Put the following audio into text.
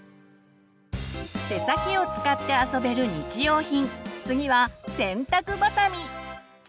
手先を使って遊べる日用品次は洗濯ばさみ。